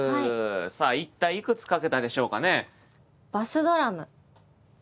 さあ一体いくつ書けたでしょうかね。